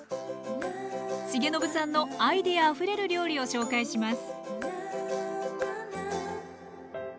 重信さんのアイデアあふれる料理を紹介します